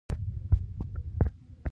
هغوی خپل نوی دوکان په بازار کې جوړ کړی